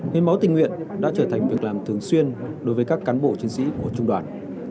hiến máu tình nguyện đã trở thành việc làm thường xuyên đối với các cán bộ chiến sĩ của trung đoàn